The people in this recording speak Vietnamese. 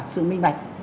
sự minh mạch